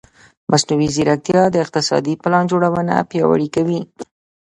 مصنوعي ځیرکتیا د اقتصادي پلان جوړونه پیاوړې کوي.